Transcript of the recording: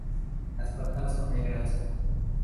Las patas son negras.